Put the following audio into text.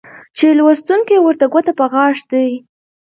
چې لوستونکى ورته ګوته په غاښ دى